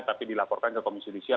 tapi dilaporkan ke komisi judisial